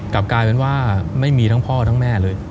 กลับกลายเป็นว่าไม่มีทั้งพ่อทั้งแม่เลย